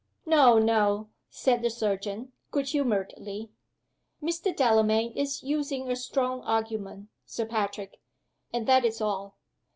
"No! no!" said the surgeon, good humoredly. "Mr. Delamayn is using a strong argument, Sir Patrick and that is all.